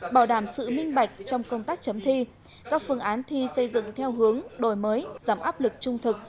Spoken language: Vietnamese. bảo đảm sự minh bạch trong công tác chấm thi các phương án thi xây dựng theo hướng đổi mới giảm áp lực trung thực